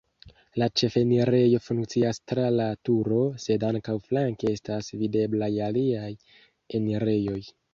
La ĉefenirejo funkcias tra la turo, sed ankaŭ flanke estas videblaj aliaj enirejoj.